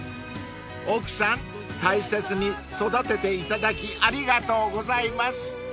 ［奥さん大切に育てていただきありがとうございます］